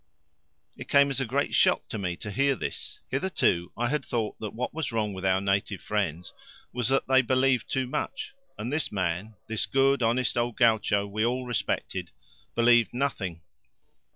It came as a great shock to me to hear this. Hitherto I had thought that what was wrong with our native friends was that they believed too much, and this man this good honest old gaucho we all respected believed nothing!